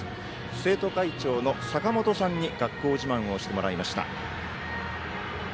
生徒会長の坂本さんに学校自慢をしていただきました。